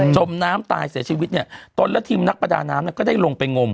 จมน้ำตายเสียชีวิตตอนละที่นักบรรดาน้ำก็ได้ลงไปงม